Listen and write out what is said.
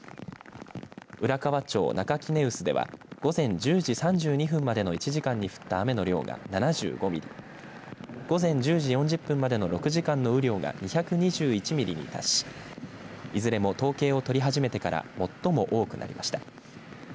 浦河町中杵臼では午前１０時３２分までの１時間に降った雨の量が７５ミリ午前１０時４０分までの６時間の雨量が２２１ミリに達しいずれも統計を取り始めてから最も多くなりました。